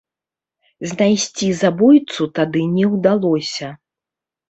Знайсці забойцу тады не ўдалося.